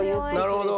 なるほど！